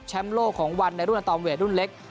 โลกของวันในรุ่นอัตอมเวทรุ่นเล็ก